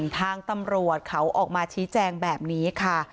ทางตำรวจเขาออกมาชี้แจงแบบนี้ค่ะ